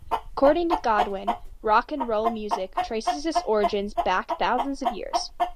According to Godwin, rock and roll music traces its origins back thousands of years.